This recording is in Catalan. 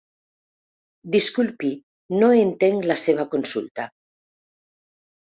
Disculpi no entenc la seva consulta.